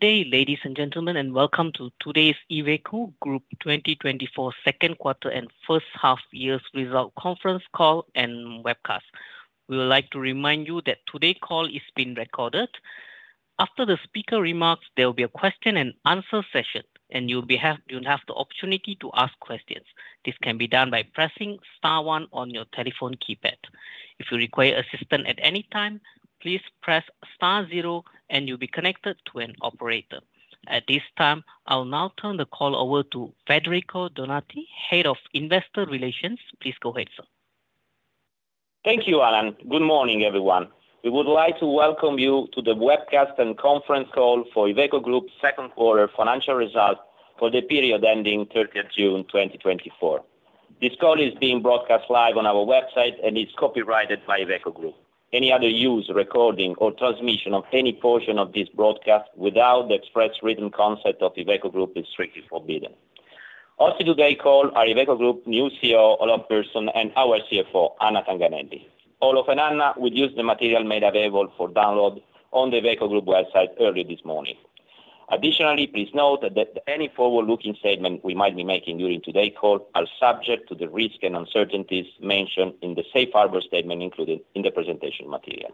Good day, ladies and gentlemen, and welcome to today's Iveco Group 2024 second quarter and first half-year's result conference call and webcast. We would like to remind you that today's call is being recorded. After the speaker remarks, there will be a question and answer session, and you'll have the opportunity to ask questions. This can be done by pressing star one on your telephone keypad. If you require assistance at any time, please press star zero, and you'll be connected to an operator. At this time, I'll now turn the call over to Federico Donati, Head of Investor Relations. Please go ahead, sir. Thank you, Alan. Good morning, everyone. We would like to welcome you to the webcast and conference call for Iveco Group's second quarter financial results for the period ending 30th June 2024. This call is being broadcast live on our website and is copyrighted by Iveco Group. Any other use, recording, or transmission of any portion of this broadcast without the express written consent of Iveco Group is strictly forbidden. Also, on today's call, our Iveco Group's new CEO, Olof Persson, and our CFO, Anna Tanganelli. Olof and Anna will use the material made available for download on the Iveco Group website early this morning. Additionally, please note that any forward-looking statement we might be making during today's call are subject to the risks and uncertainties mentioned in the safe harbor statement included in the presentation material.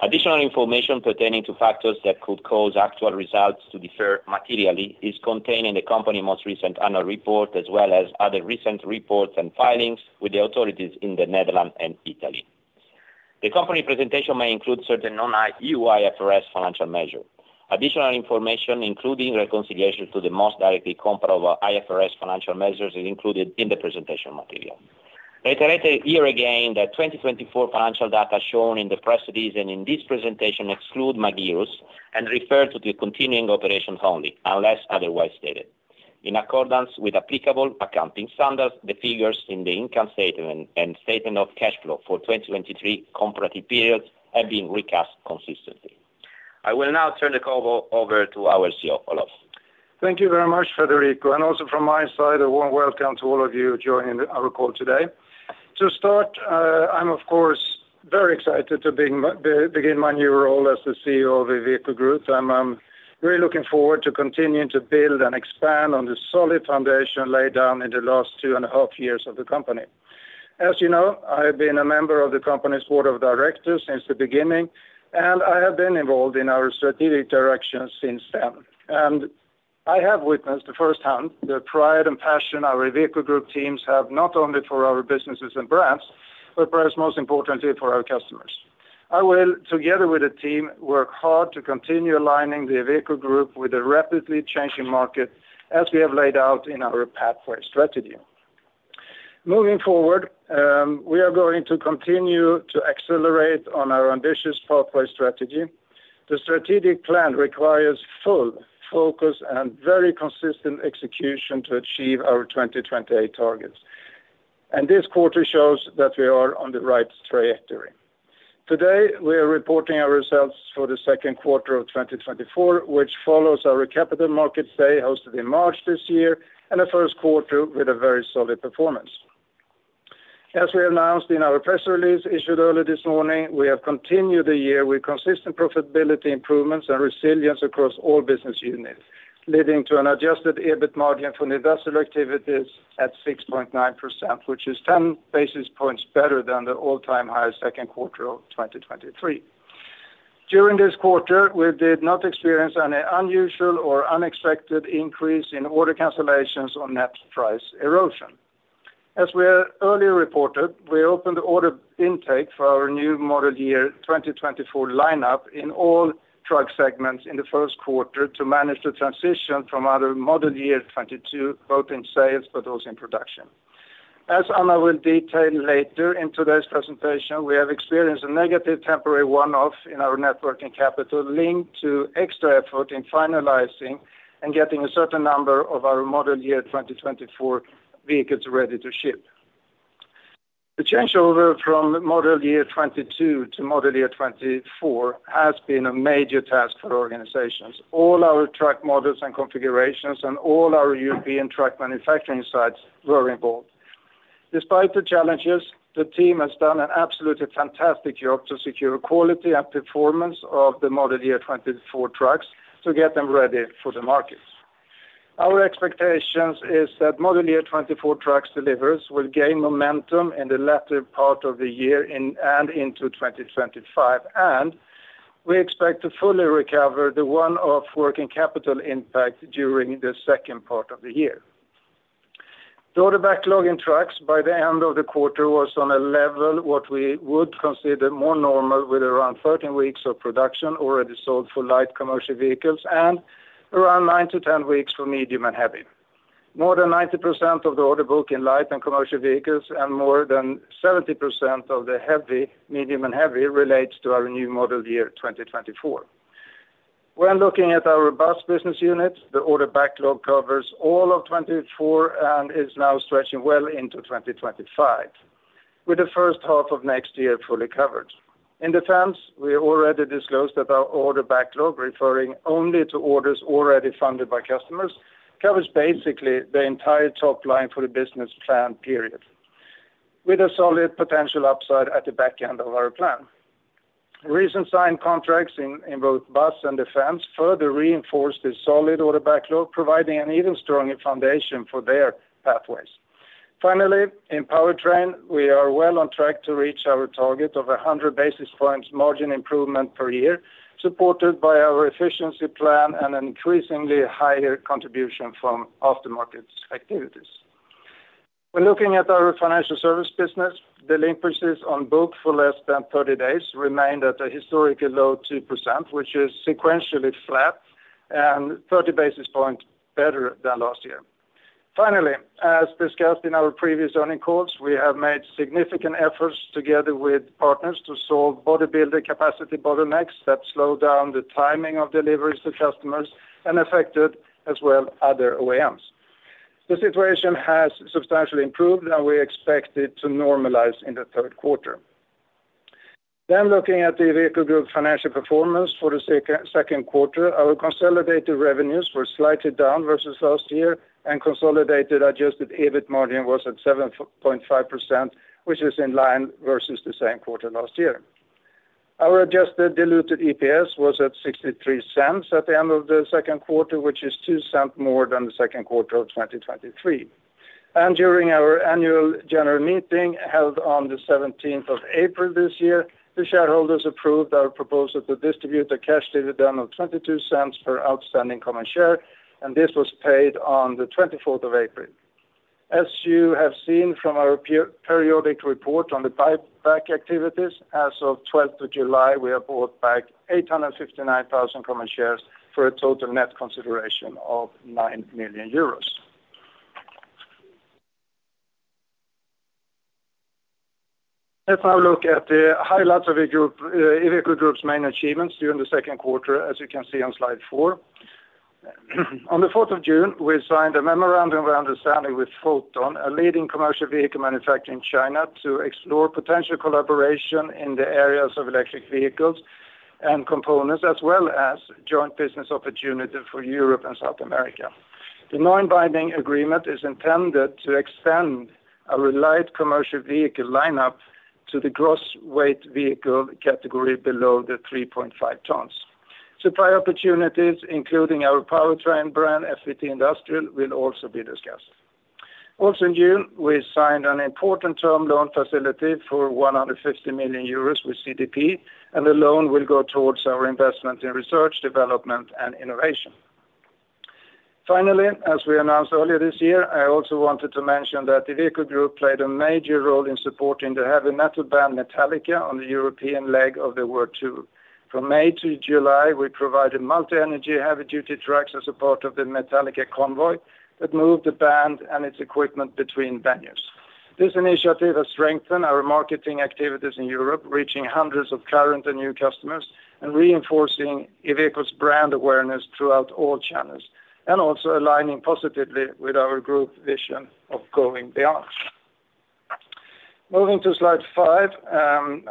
Additional information pertaining to factors that could cause actual results to differ materially is contained in the company's most recent annual report, as well as other recent reports and filings with the authorities in the Netherlands and Italy. The company presentation may include certain non-IFRS financial measures. Additional information, including reconciliation to the most directly comparable IFRS financial measures, is included in the presentation material. Reiterated here again, the 2024 financial data shown in the press release and in this presentation exclude Magirus and refer to the continuing operations only, unless otherwise stated. In accordance with applicable accounting standards, the figures in the income statement and statement of cash flows for 2023 comparative periods have been recast consistently. I will now turn the call over to our CEO, Olof. Thank you very much, Federico, and also from my side, a warm welcome to all of you joining our call today. To start, I'm, of course, very excited to begin my new role as the CEO of the Iveco Group. I'm really looking forward to continuing to build and expand on the solid foundation laid down in the last two and a half years of the company. As you know, I have been a member of the company's Board of Directors since the beginning, and I have been involved in our strategic direction since then. I have witnessed firsthand the pride and passion our Iveco Group teams have, not only for our businesses and brands, but perhaps most importantly, for our customers. I will, together with the team, work hard to continue aligning the Iveco Group with a rapidly changing market, as we have laid out in our pathway strategy. Moving forward, we are going to continue to accelerate on our ambitious pathway strategy. The strategic plan requires full focus and very consistent execution to achieve our 2028 targets, and this quarter shows that we are on the right trajectory. Today, we are reporting our results for the second quarter of 2024, which follows our Capital Markets Day, hosted in March this year, and a first quarter with a very solid performance. As we announced in our press release, issued early this morning, we have continued the year with consistent profitability, improvements, and resilience across all business units, leading to an adjusted EBIT margin from industrial activities at 6.9%, which is 10 basis points better than the all-time high second quarter of 2023. During this quarter, we did not experience any unusual or unexpected increase in order cancellations or net price erosion. As we earlier reported, we opened the order intake for our new Model Year 2024 lineup in all Truck segments in the first quarter to manage the transition from our Model Year 2022, both in sales but also in production. As Anna will detail later in today's presentation, we have experienced a negative temporary one-off in our net working capital, linked to extra effort in finalizing and getting a certain number of our Model Year 2024 vehicles ready to ship. The changeover from Model Year 2022 to Model Year 2024 has been a major task for organizations. All our truck models and configurations and all our European truck manufacturing sites were involved. Despite the challenges, the team has done an absolutely fantastic job to secure quality and performance of the Model Year 2024 trucks to get them ready for the markets. Our expectations is that Model Year 2024 trucks delivers will gain momentum in the latter part of the year in, and into 2025, and we expect to fully recover the one-off working capital impact during the second part of the year. The order backlog for trucks by the end of the quarter was on a level, what we would consider more normal, with around 13 weeks of production already sold for light commercial vehicles and around 9 weeks-10 weeks for medium and heavy. More than 90% of the order book in light and commercial vehicles, and more than 70% of the heavy, medium and heavy, relates to our new Model Year, 2024. When looking at our Bus business units, the order backlog covers all of 2024 and is now stretching well into 2025, with the first half of next year fully covered. In Defense, we already disclosed that our order backlog, referring only to orders already funded by customers, covers basically the entire top line for the business plan period... with a solid potential upside at the back end of our plan. Recent signed contracts in both Bus and Defense further reinforce this solid order backlog, providing an even stronger foundation for their pathways. Finally, in Powertrain, we are well on track to reach our target of 100 basis points margin improvement per year, supported by our efficiency plan and an increasingly higher contribution from aftermarket activities. When looking at our Financial Service business, delinquencies on book for less than 30 days remained at a historically low 2%, which is sequentially flat and 30 basis points better than last year. Finally, as discussed in our previous earnings calls, we have made significant efforts together with partners to solve bodybuilding capacity bottlenecks that slow down the timing of deliveries to customers and affected as well other OEMs. The situation has substantially improved, and we expect it to normalize in the third quarter. Looking at the Vehicle Group financial performance for the second quarter, our consolidated revenues were slightly down versus last year, and consolidated Adjusted EBIT margin was at 7.5%, which is in line versus the same quarter last year. Our adjusted diluted EPS was at 0.63 at the end of the second quarter, which is 0.02 more than the second quarter of 2023. And during our Annual General Meeting, held on the seventeenth of April this year, the shareholders approved our proposal to distribute a cash dividend of 0.22 per outstanding common share, and this was paid on the 24th of April. As you have seen from our periodic report on the buyback activities, as of 12th of July, we have bought back 859,000 common shares for a total net consideration of 9 million euros. Let's now look at the highlights of the group, Iveco Group's main achievements during the second quarter, as you can see on slide four. On the 4th of June, we signed a Memorandum of Understanding with Foton, a leading commercial vehicle manufacturer in China, to explore potential collaboration in the areas of electric vehicles and components, as well as joint business opportunity for Europe and South America. The non-binding agreement is intended to extend our light commercial vehicle lineup to the gross weight vehicle category below the 3.5 tons. Supply opportunities, including our Powertrain brand, FPT Industrial, will also be discussed. Also, in June, we signed an important term loan facility for 150 million euros with CDP, and the loan will go towards our investment in research, development, and innovation. Finally, as we announced earlier this year, I also wanted to mention that the Iveco Group played a major role in supporting the heavy metal band Metallica on the European leg of their world tour. From May to July, we provided multi-energy, heavy-duty trucks as a part of the Metallica convoy that moved the band and its equipment between venues. This initiative has strengthened our marketing activities in Europe, reaching hundreds of current and new customers, and reinforcing Iveco's brand awareness throughout all channels, and also aligning positively with our group vision of going beyond. Moving to slide five,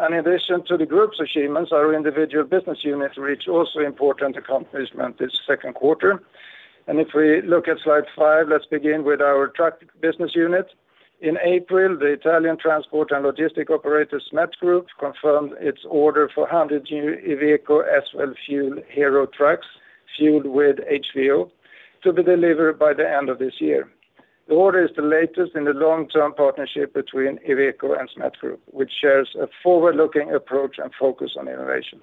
in addition to the group's achievements, our individual business units reached also important accomplishment this second quarter. If we look at slide five, let's begin with our Truck business unit. In April, the Italian transport and logistic operator, SMET Group, confirmed its order for 100 new Iveco S-Way Fuel Hero trucks, fueled with HVO, to be delivered by the end of this year. The order is the latest in the long-term partnership between Iveco and SMET Group, which shares a forward-looking approach and focus on innovation.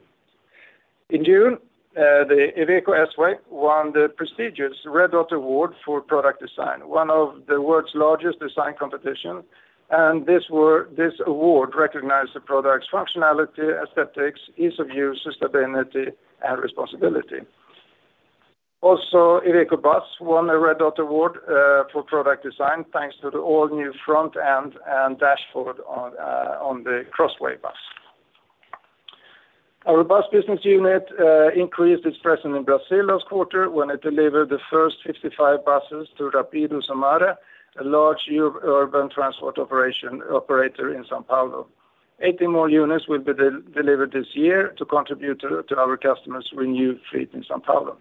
In June, the Iveco S-Way won the prestigious Red Dot Award for product design, one of the world's largest design competition, and this award recognized the product's functionality, aesthetics, ease of use, sustainability, and responsibility. Also, Iveco Bus won a Red Dot Award for product design, thanks to the all-new front end and dashboard on the Crossway bus. Our Bus business unit increased its presence in Brazil last quarter, when it delivered the first 55 buses to Rápido Sumaré, a large urban transport operator in São Paulo. Eighty more units will be delivered this year to contribute to our customer's renewed fleet in São Paulo.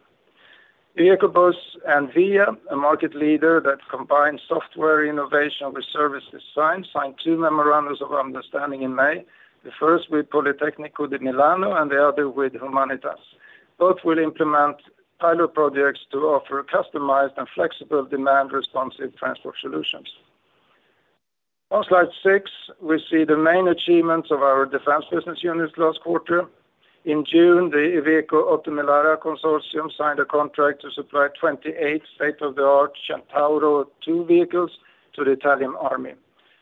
Iveco Bus and Via, a market leader that combines software innovation with service design, signed two memorandums of understanding in May, the first with Politecnico di Milano and the other with Humanitas. Both will implement pilot projects to offer customized and flexible demand-responsive transport solutions. On slide six, we see the main achievements of our Defense business units last quarter. In June, the Iveco - Oto Melara Consortium signed a contract to supply 28 state-of-the-art Centauro II vehicles to the Italian army.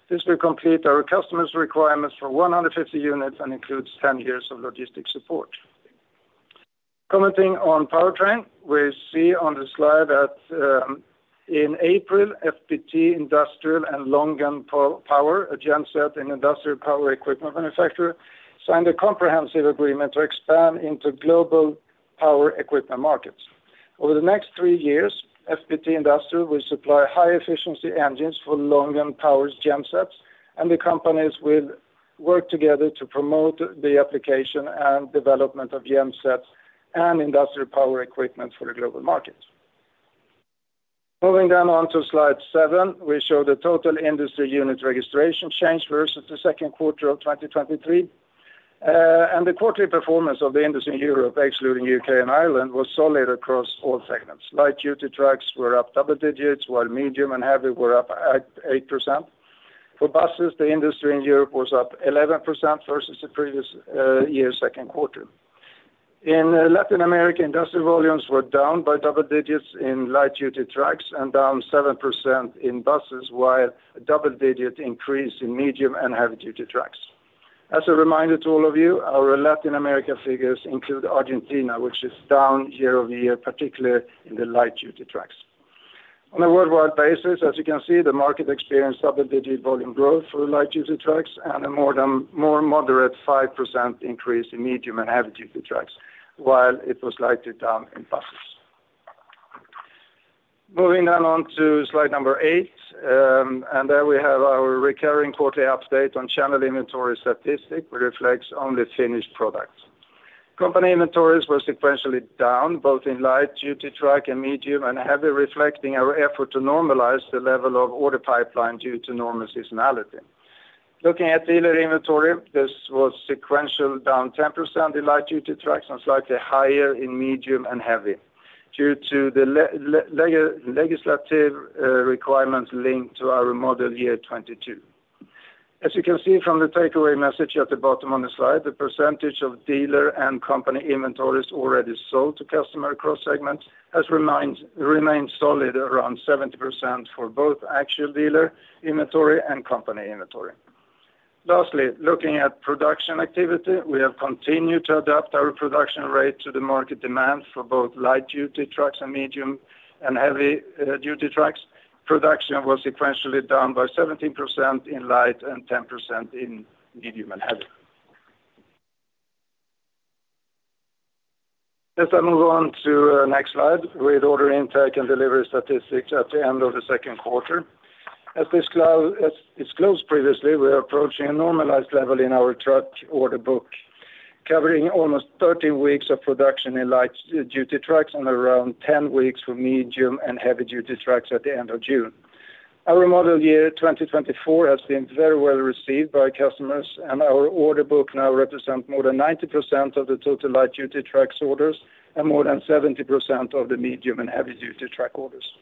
This will complete our customers' requirements for 150 units and includes 10 years of logistic support. Commenting on Powertrain, we see on the slide that, in April, FPT Industrial and Longen Power, a genset and industrial power equipment manufacturer, signed a comprehensive agreement to expand into global power equipment markets. Over the next 3 years, FPT Industrial will supply high-efficiency engines for Longen Power's gensets, and the companies will work together to promote the application and development of gensets and industrial power equipment for the global markets. Moving down on to slide seven, we show the total industry unit registration change versus the second quarter of 2023. And the quarterly performance of the industry in Europe, excluding U.K. and Ireland, was solid across all segments. Light-duty trucks were up double digits, while medium and heavy were up at 8%. For buses, the industry in Europe was up 11% versus the previous year's second quarter. In Latin America, industrial volumes were down by double digits in light-duty trucks and down 7% in buses, while a double-digit increase in medium and heavy-duty trucks. As a reminder to all of you, our Latin America figures include Argentina, which is down year-over-year, particularly in the light-duty trucks. On a worldwide basis, as you can see, the market experienced double-digit volume growth for light-duty trucks and a more moderate 5% increase in medium and heavy-duty trucks, while it was slightly down in buses. Moving on to slide number eight, and there we have our recurring quarterly update on channel inventory statistic, which reflects only finished products. Company inventories were sequentially down, both in light-duty truck and medium, and heavy, reflecting our effort to normalize the level of order pipeline due to normal seasonality. Looking at dealer inventory, this was sequential, down 10% in light-duty trucks, and slightly higher in medium and heavy, due to the legislative requirements linked to our Model Year 2022. As you can see from the takeaway message at the bottom on the slide, the percentage of dealer and company inventories already sold to customer across segments, has remained solid around 70% for both actual dealer inventory and company inventory. Lastly, looking at production activity, we have continued to adapt our production rate to the market demand for both light-duty trucks and medium and heavy duty trucks. Production was sequentially down by 17% in light and 10% in medium and heavy. As I move on to next slide, with order intake and delivery statistics at the end of the second quarter. As disclosed, as disclosed previously, we are approaching a normalized level in our truck order book, covering almost 13 weeks of production in light-duty trucks and around 10 weeks for medium and heavy-duty trucks at the end of June. Our Model Year 2024 has been very well received by customers, and our order book now represent more than 90% of the total light-duty trucks orders, and more than 70% of the medium and heavy-duty truck orders.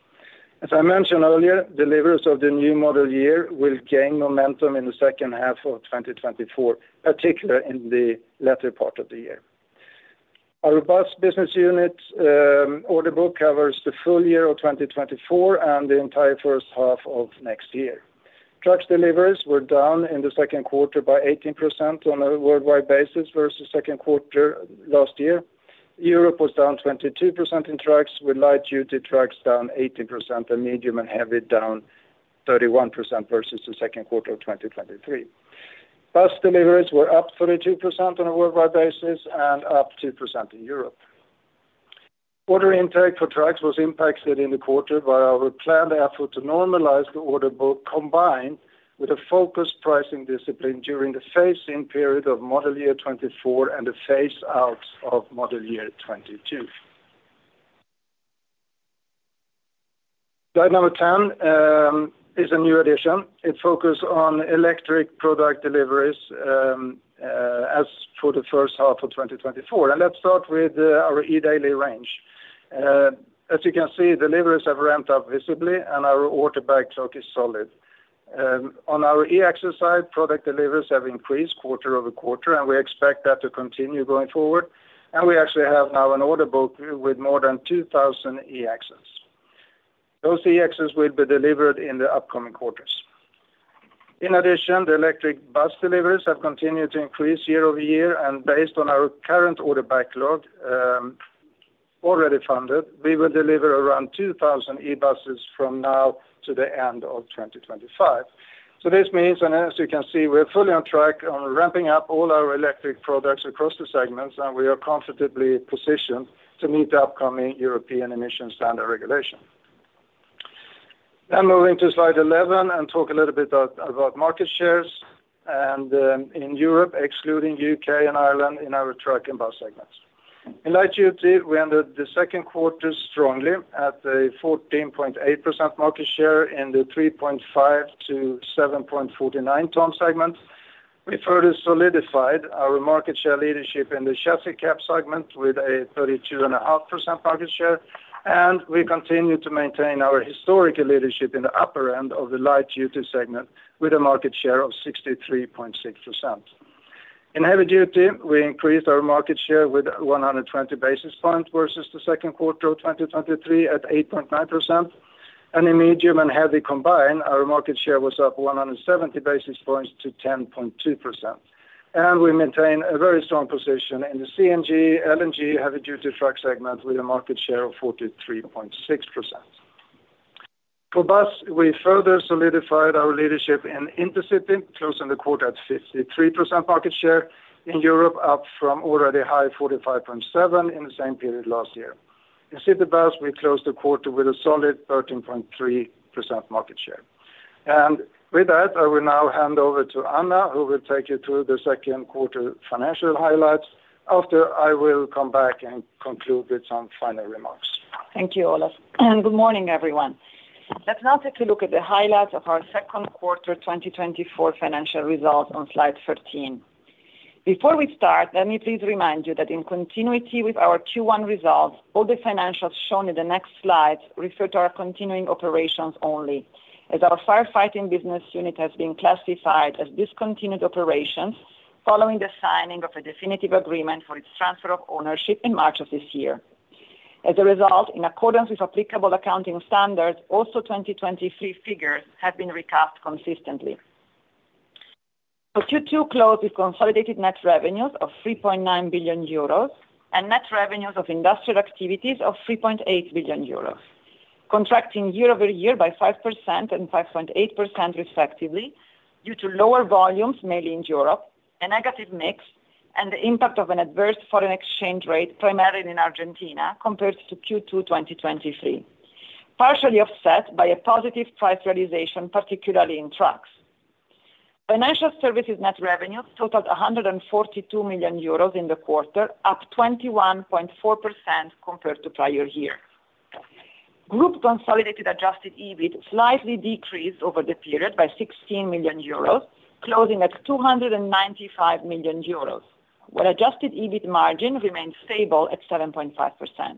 As I mentioned earlier, deliveries of the new Model Year will gain momentum in the second half of 2024, particularly in the latter part of the year. Our Bus business unit order book covers the full year of 2024 and the entire first half of next year. Truck deliveries were down in the second quarter by 18% on a worldwide basis versus second quarter last year. Europe was down 22% in trucks, with light-duty trucks down 18%, and medium and heavy down 31% versus the second quarter of 2023. Bus deliveries were up 32% on a worldwide basis, and up 2% in Europe. Order intake for trucks was impacted in the quarter by our planned effort to normalize the order book, combined with a focused pricing discipline during the phase-in period of Model Year 2024, and the phase-out of Model Year 2022. Slide number 10 is a new addition. It focuses on electric product deliveries as for the first half of 2024. Let's start with our eDaily range. As you can see, deliveries have ramped up visibly, and our order backlog is solid. On our eAxle side, product deliveries have increased quarter-over-quarter, and we expect that to continue going forward, and we actually have now an order book with more than 2,000 eAxles. Those eAxles will be delivered in the upcoming quarters. In addition, the electric bus deliveries have continued to increase year-over-year, and based on our current order backlog, already funded, we will deliver around 2,000 e-buses from now to the end of 2025. So this means, and as you can see, we are fully on track on ramping up all our electric products across the segments, and we are comfortably positioned to meet the upcoming European emission standard regulation. Then moving to slide 11, and talk a little bit about, about market shares, and, in Europe, excluding U.K. and Ireland, in our Truck and Bus segments. In light-duty, we ended the second quarter strongly at a 14.8% market share in the 3.5 ton-7.49-ton segment. We further solidified our market share leadership in the chassis cab segment with a 32.5% market share, and we continue to maintain our historical leadership in the upper end of the light-duty segment with a market share of 63.6%. In heavy duty, we increased our market share with 120 basis points versus the second quarter of 2023 at 8.9%. In medium and heavy combined, our market share was up 170 basis points to 10.2%, and we maintain a very strong position in the CNG, LNG, heavy-duty truck segment with a market share of 43.6%. For bus, we further solidified our leadership in intercity, closing the quarter at 53% market share in Europe, up from already high 45.7% in the same period last year. In city bus, we closed the quarter with a solid 13.3% market share. And with that, I will now hand over to Anna, who will take you through the second quarter financial highlights. After, I will come back and conclude with some final remarks. Thank you, Olof, and good morning, everyone. Let's now take a look at the highlights of our second quarter 2024 financial results on slide 13. Before we start, let me please remind you that in continuity with our Q1 results, all the financials shown in the next slides refer to our continuing operations only, as our firefighting business unit has been classified as discontinued operations following the signing of a definitive agreement for its transfer of ownership in March of this year. As a result, in accordance with applicable accounting standards, also 2023 figures have been recapped consistently. Q2 closed with consolidated net revenues of 3.9 billion euros, and net revenues of industrial activities of 3.8 billion euros, contracting year-over-year by 5% and 5.8% respectively, due to lower volumes, mainly in Europe, a negative mix, and the impact of an adverse foreign exchange rate, primarily in Argentina, compared to Q2 2023, partially offset by a positive price realization, particularly in trucks. Financial Services net revenues totaled 142 million euros in the quarter, up 21.4% compared to prior year. Group consolidated adjusted EBIT slightly decreased over the period by 16 million euros, closing at 295 million euros, while adjusted EBIT margin remained stable at 7.5%.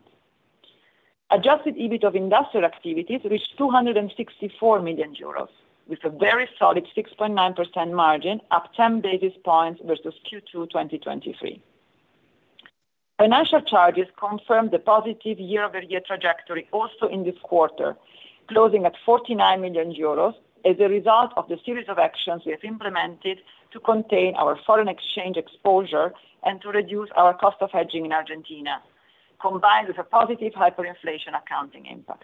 Adjusted EBIT of industrial activities reached 264 million euros, with a very solid 6.9% margin, up 10 basis points versus Q2 2023. Financial charges confirmed the positive year-over-year trajectory also in this quarter, closing at 49 million euros as a result of the series of actions we have implemented to contain our foreign exchange exposure and to reduce our cost of hedging in Argentina, combined with a positive hyperinflation accounting impact.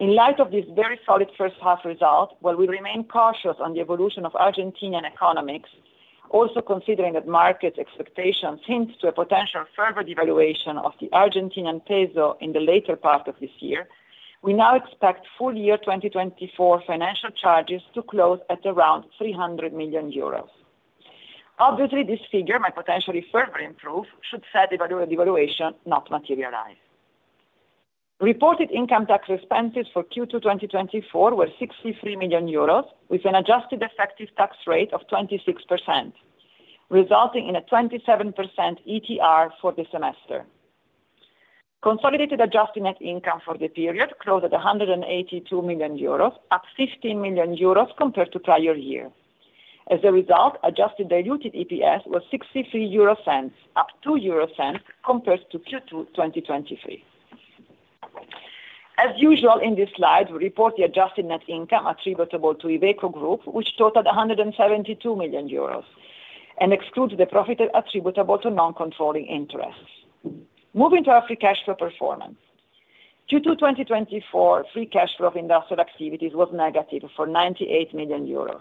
In light of this very solid first half result, while we remain cautious on the evolution of Argentinean economics, also considering that market expectations hints to a potential further devaluation of the Argentinean peso in the later part of this year, we now expect full year 2024 financial charges to close at around 300 million euros. Obviously, this figure might potentially further improve, should said devaluation not materialize. Reported income tax expenses for Q2 2024 were 63 million euros, with an adjusted effective tax rate of 26%, resulting in a 27% ETR for the semester. Consolidated adjusted net income for the period closed at 182 million euros, up 50 million euros compared to prior year. As a result, adjusted diluted EPS was 0.63, up 0.02 compared to Q2 2023. As usual, in this slide, we report the adjusted net income attributable to Iveco Group, which totaled 172 million euros and excludes the profit attributable to non-controlling interests. Moving to our free cash flow performance. Q2 2024 free cash flow of industrial activities was negative 98 million euros,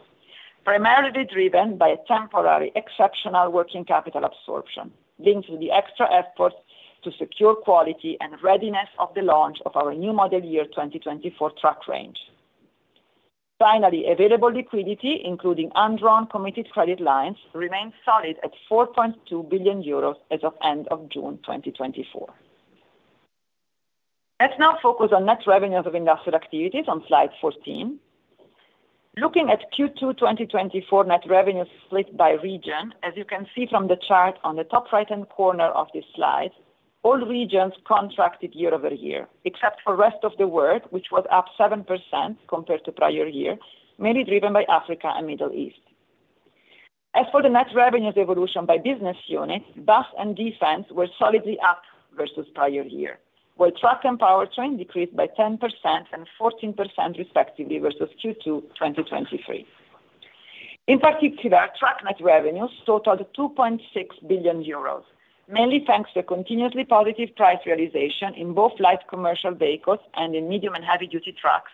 primarily driven by a temporary exceptional working capital absorption linked to the extra efforts to secure quality and readiness of the launch of our new Model Year 2024 truck range. Finally, available liquidity, including undrawn committed credit lines, remains solid at 4.2 billion euros as of end of June 2024. Let's now focus on net revenues of industrial activities on slide 14. Looking at Q2 2024 net revenues split by region, as you can see from the chart on the top right-hand corner of this slide, all regions contracted year-over-year, except for rest of the world, which was up 7% compared to prior year, mainly driven by Africa and Middle East. As for the net revenues evolution by business unit, Bus and Defense were solidly up versus prior year, while Truck and Powertrain decreased by 10% and 14%, respectively, versus Q2 2023. In particular, Truck net revenues totaled 2.6 billion euros, mainly thanks to a continuously positive price realization in both light commercial vehicles and in medium and heavy-duty trucks,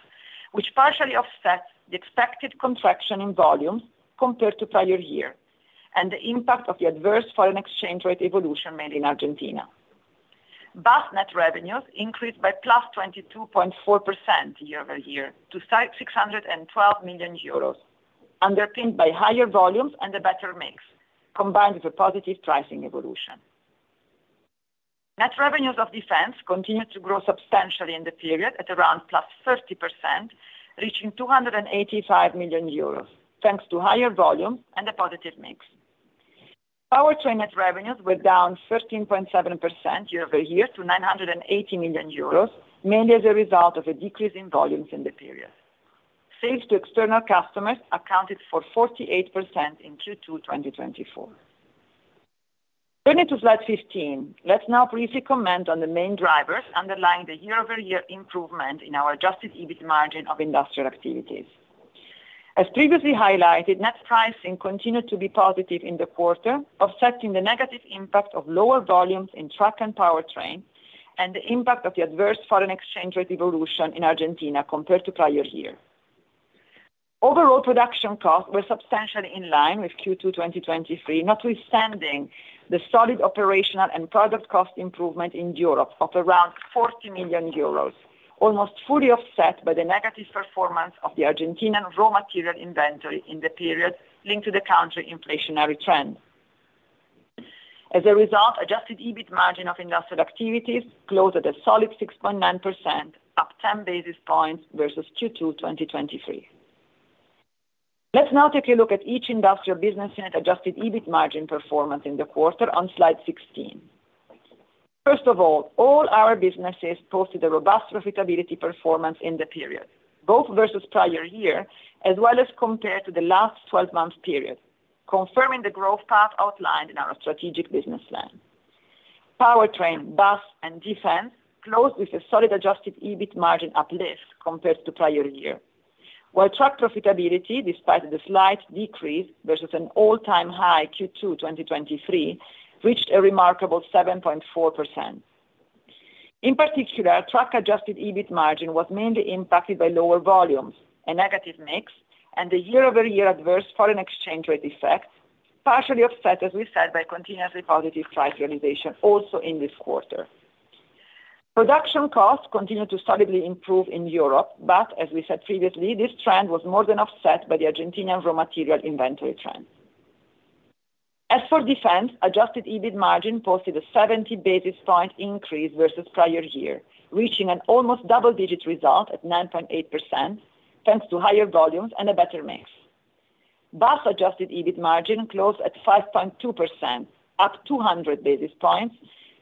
which partially offsets the expected contraction in volume compared to prior year and the impact of the adverse foreign exchange rate evolution made in Argentina. Bus net revenues increased by +22.4% year-over-year to 612 million euros, underpinned by higher volumes and a better mix, combined with a positive pricing evolution. Net revenues of Defense continued to grow substantially in the period at around +30%, reaching 285 million euros, thanks to higher volume and a positive mix. Powertrain net revenues were down 13.7% year-over-year to 980 million euros, mainly as a result of a decrease in volumes in the period. Sales to external customers accounted for 48% in Q2 2024. Turning to slide 15, let's now briefly comment on the main drivers underlying the year-over-year improvement in our adjusted EBIT margin of industrial activities. As previously highlighted, net pricing continued to be positive in the quarter, offsetting the negative impact of lower volumes in Truck and Powertrain, and the impact of the adverse foreign exchange rate evolution in Argentina compared to prior year. Overall, production costs were substantially in line with Q2 2023, notwithstanding the solid operational and product cost improvement in Europe of around 40 million euros, almost fully offset by the negative performance of the Argentine raw material inventory in the period linked to the country's inflationary trend. As a result, adjusted EBIT margin of industrial activities closed at a solid 6.9%, up 10 basis points versus Q2 2023. Let's now take a look at each industrial business unit adjusted EBIT margin performance in the quarter on slide 16. First of all, all our businesses posted a robust profitability performance in the period, both versus prior year, as well as compared to the last 12-month period, confirming the growth path outlined in our strategic business plan. Powertrain, Bus, and Defense closed with a solid adjusted EBIT margin uplift compared to prior year. While Truck profitability, despite the slight decrease versus an all-time high Q2 2023, reached a remarkable 7.4%. In particular, Truck adjusted EBIT margin was mainly impacted by lower volumes, a negative mix, and a year-over-year adverse foreign exchange rate effect, partially offset, as we said, by continuously positive price realization also in this quarter. Production costs continued to solidly improve in Europe, but as we said previously, this trend was more than offset by the Argentinian raw material inventory trend. As for Defense, adjusted EBIT margin posted a 70 basis point increase versus prior year, reaching an almost double-digit result at 9.8%, thanks to higher volumes and a better mix. Bus adjusted EBIT margin closed at 5.2%, up 200 basis points,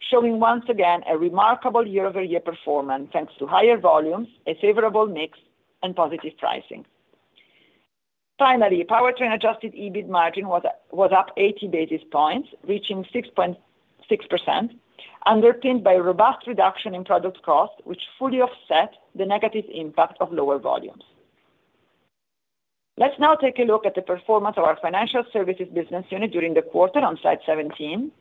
showing once again a remarkable year-over-year performance, thanks to higher volumes, a favorable mix, and positive pricing. Finally, Powertrain adjusted EBIT margin was up 80 basis points, reaching 6.6%, underpinned by a robust reduction in product cost, which fully offset the negative impact of lower volumes. Let's now take a look at the performance of our Financial Services business unit during the quarter on slide 17.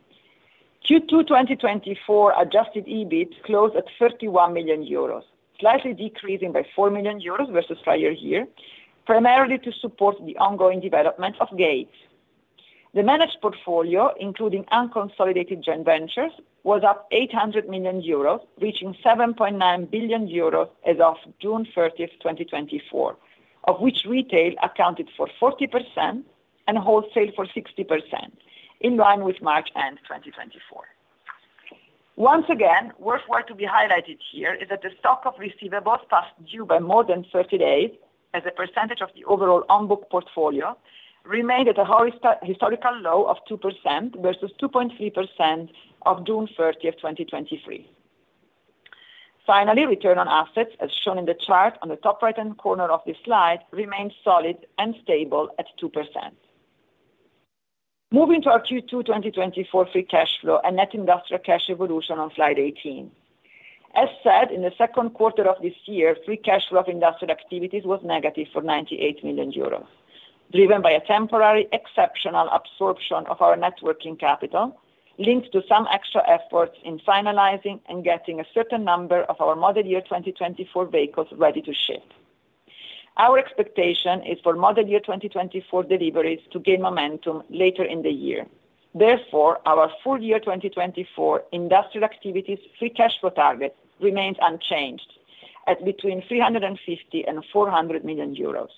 Q2 2024 adjusted EBIT closed at 31 million euros, slightly decreasing by 4 million euros versus prior year, primarily to support the ongoing development of GATE. The managed portfolio, including unconsolidated joint ventures, was up 800 million euros, reaching 7.9 billion euros as of June 30th, 2024, of which retail accounted for 40% and wholesale for 60%, in line with March-end 2024. Once again, worthwhile to be highlighted here is that the stock of receivables past due by more than 30 days, as a percentage of the overall on-book portfolio, remained at a historical low of 2% versus 2.3% of June 30th, 2023. Finally, return on assets, as shown in the chart on the top right-hand corner of this slide, remains solid and stable at 2%. Moving to our Q2 2024 free cash flow and net industrial cash evolution on slide 18. As said, in the second quarter of this year, free cash flow of industrial activities was negative for 98 million euros, driven by a temporary exceptional absorption of our net working capital, linked to some extra efforts in finalizing and getting a certain number of our Model Year 2024 vehicles ready to ship. Our expectation is for Model Year 2024 deliveries to gain momentum later in the year. Therefore, our full year 2024 industrial activities free cash flow target remains unchanged at between 350 million and 400 million euros.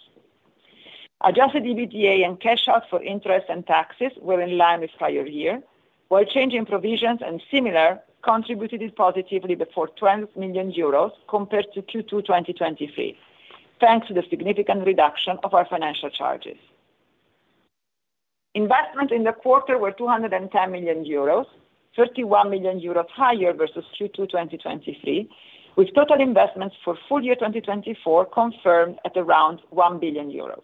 Adjusted EBITDA and cash out for interest and taxes were in line with prior year, while change in provisions and similar contributed positively by 12 million euros compared to Q2, 2023, thanks to the significant reduction of our financial charges. Investments in the quarter were 210 million euros, 31 million euros higher versus Q2, 2023, with total investments for full year 2024 confirmed at around 1 billion euros.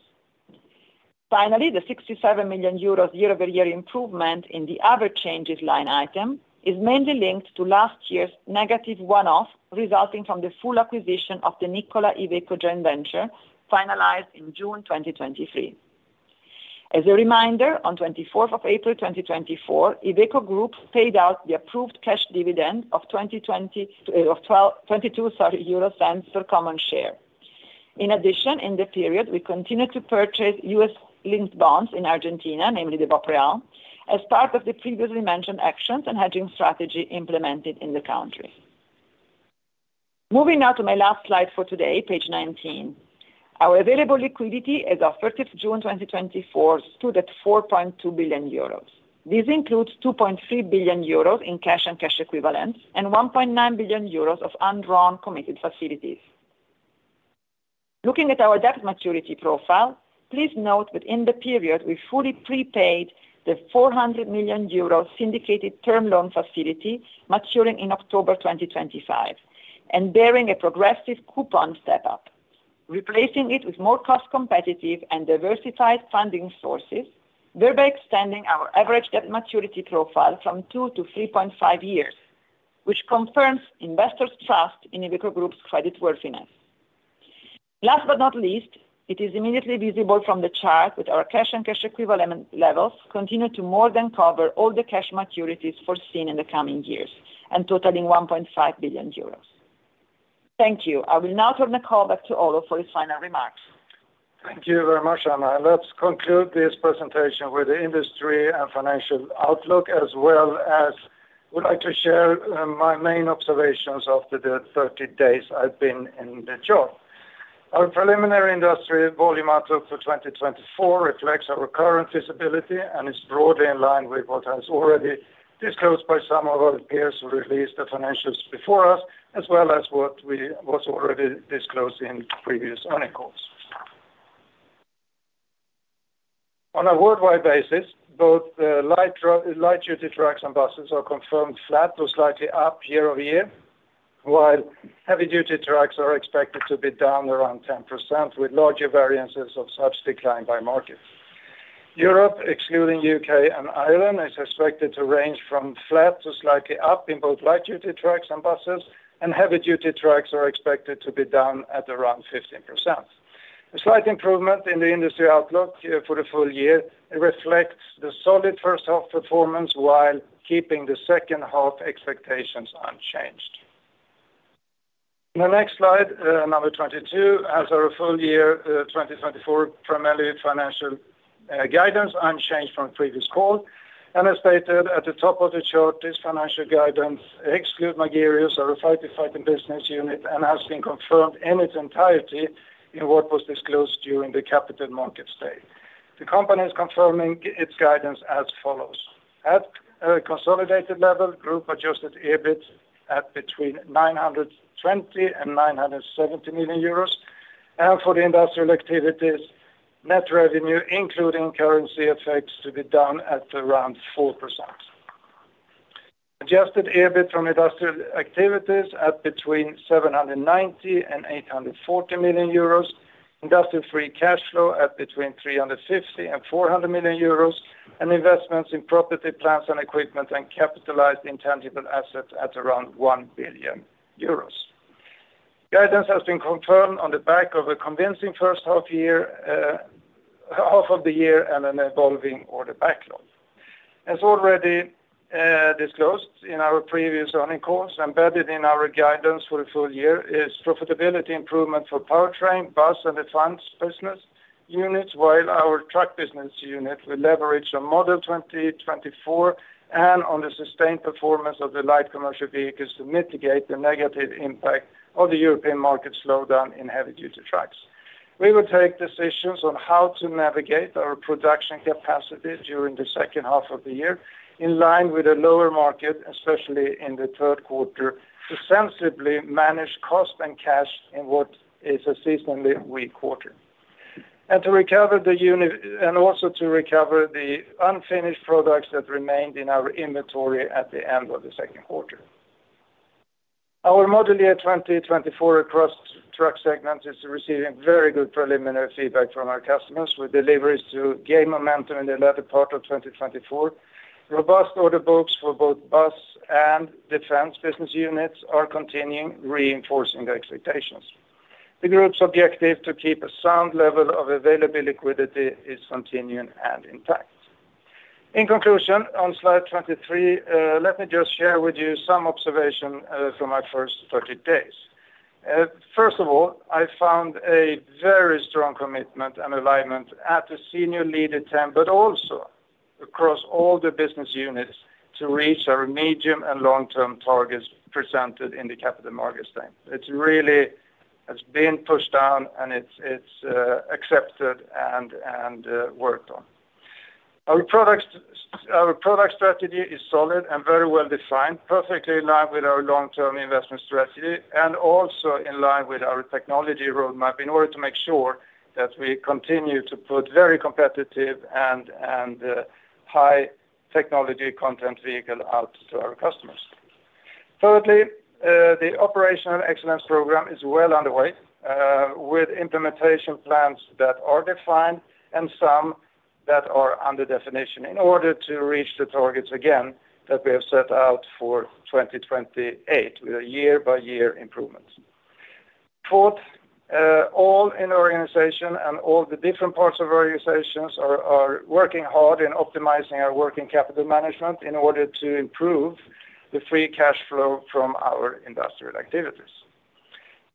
Finally, the 67 million euros year-over-year improvement in the other changes line item is mainly linked to last year's negative one-off, resulting from the full acquisition of the Nikola Iveco joint venture, finalized in June 2023. As a reminder, on the 24th of April 2024, Iveco Group paid out the approved cash dividend of 0.1222 per common share. In addition, in the period, we continued to purchase U.S.-linked bonds in Argentina, namely the BOPREAL, as part of the previously mentioned actions and hedging strategy implemented in the country. Moving now to my last slide for today, page 19. Our available liquidity as of the 13th of June 2024 stood at 4.2 billion euros. This includes 2.3 billion euros in cash and cash equivalents, and 1.9 billion euros of undrawn committed facilities. Looking at our debt maturity profile, please note that in the period, we fully prepaid the 400 million euro syndicated term loan facility maturing in October 2025 and bearing a progressive coupon step up, replacing it with more cost-competitive and diversified funding sources, thereby extending our average debt maturity profile from 2 years to 3.5 years, which confirms investors' trust in Iveco Group's creditworthiness. Last but not least, it is immediately visible from the chart that our cash and cash equivalent levels continue to more than cover all the cash maturities foreseen in the coming years, and totaling 1.5 billion euros. Thank you. I will now turn the call back to Olof for his final remarks. Thank you very much, Anna. Let's conclude this presentation with the industry and financial outlook, as well as I would like to share, my main observations after the 30 days I've been in the job. Our preliminary industry volume outlook for 2024 reflects our current visibility and is broadly in line with what has already disclosed by some of our peers who released the financials before us, as well as what we, what's already disclosed in previous earnings calls. On a worldwide basis, both, light truck, light-duty trucks and buses are confirmed flat to slightly up year-over-year, while heavy-duty trucks are expected to be down around 10%, with larger variances of such decline by market. Europe, excluding U.K. and Ireland, is expected to range from flat to slightly up in both light-duty trucks and buses, and heavy-duty trucks are expected to be down at around 15%. A slight improvement in the industry outlook, for the full year, it reflects the solid first half performance, while keeping the second half expectations unchanged. In the next slide, number 22, has our full year, 2024 preliminary financial, guidance unchanged from previous call. As stated at the top of the chart, this financial guidance exclude Magirus, our firefighting business unit, and has been confirmed in its entirety in what was disclosed during the Capital Markets Day. The company is confirming its guidance as follows: at a consolidated level, group adjusted EBIT at between 920 million and 970 million euros, and for the industrial activities, net revenue, including currency effects, to be down at around 4%. Adjusted EBIT from industrial activities at between 790 million and 840 million euros. Industrial free cash flow at between 350 million and 400 million euros, and investments in property, plants, and equipment, and capitalized intangible assets at around 1 billion euros. Guidance has been confirmed on the back of a convincing first half year, half of the year and an evolving order backlog. As already disclosed in our previous earnings calls, embedded in our guidance for the full year is profitability improvement for Powertrain, Bus, and Defense business units, while our Truck business unit will leverage on Model 2024, and on the sustained performance of the light commercial vehicles to mitigate the negative impact of the European market slowdown in heavy-duty trucks. We will take decisions on how to navigate our production capacity during the second half of the year, in line with a lower market, especially in the third quarter, to sensibly manage cost and cash in what is a seasonally weak quarter. And also to recover the unfinished products that remained in our inventory at the end of the second quarter. Our Model Year 2024 across Truck segment is receiving very good preliminary feedback from our customers, with deliveries to gain momentum in the latter part of 2024. Robust order books for both Bus and Defense business units are continuing, reinforcing the expectations. The group's objective to keep a sound level of available liquidity is continuing and intact. In conclusion, on slide 23, let me just share with you some observation from my first 30 days. First of all, I found a very strong commitment and alignment at the senior leadership team, but also across all the business units, to reach our medium and long-term targets presented in the Capital Markets Day. It's really, has been pushed down, and it's, it's, accepted and, and, worked on. Our products, our product strategy is solid and very well-defined, perfectly in line with our long-term investment strategy, and also in line with our technology roadmap, in order to make sure that we continue to put very competitive and high technology content vehicle out to our customers. Thirdly, the operational excellence program is well underway, with implementation plans that are defined and some that are under definition, in order to reach the targets again, that we have set out for 2028, with a year-by-year improvements. Fourth, all in our organization and all the different parts of our organizations are working hard in optimizing our working capital management in order to improve the free cash flow from our industrial activities.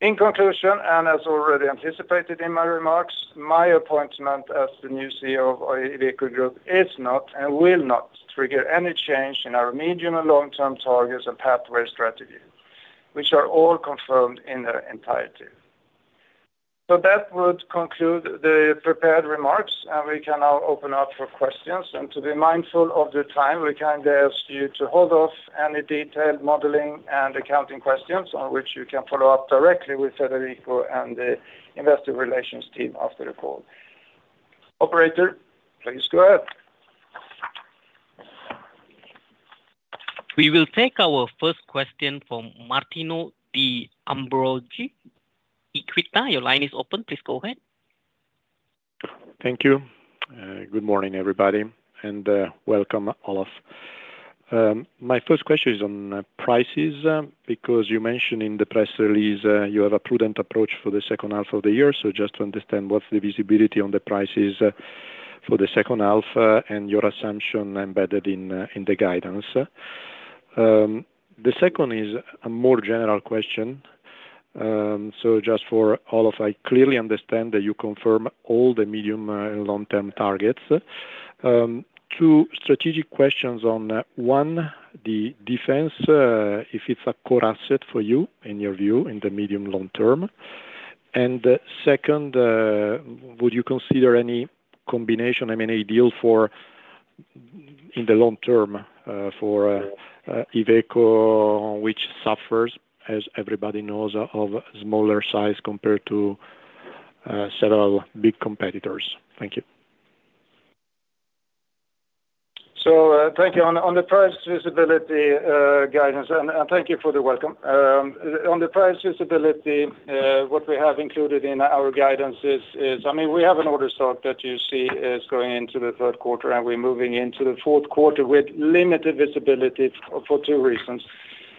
In conclusion, and as already anticipated in my remarks, my appointment as the new CEO of Iveco Group is not and will not trigger any change in our medium- and long-term targets and pathway strategies, which are all confirmed in their entirety. So that would conclude the prepared remarks, and we can now open up for questions. And to be mindful of the time, we kindly ask you to hold off any detailed modeling and accounting questions, on which you can follow up directly with Federico and the investor relations team after the call. Operator, please go ahead. We will take our first question from Martino De Ambroggi, Equita. Your line is open. Please go ahead. Thank you. Good morning, everybody, and welcome, Olof. My first question is on prices, because you mentioned in the press release, you have a prudent approach for the second half of the year. So just to understand, what's the visibility on the prices for the second half, and your assumption embedded in the guidance? The second is a more general question. So just for all of—I clearly understand that you confirm all the medium and long-term targets. Two strategic questions on, one, the Defense, if it's a core asset for you, in your view, in the medium long term. And second, would you consider any combination, I mean, ideal for in the long term, for Iveco, which suffers, as everybody knows, of smaller size compared to several big competitors? Thank you. So, thank you. On the price visibility, guidance, and thank you for the welcome. On the price visibility, what we have included in our guidance is, I mean, we have an order stock that you see is going into the third quarter, and we're moving into the fourth quarter with limited visibility for two reasons.